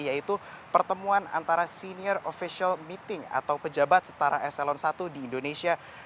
yaitu pertemuan antara senior official meeting atau pejabat setara eselon i di indonesia